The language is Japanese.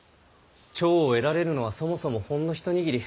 寵を得られるのはそもそもほんの一握り。